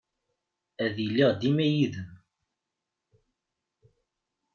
Ad iliɣ dima yid-m.